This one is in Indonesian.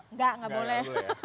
enggak gak boleh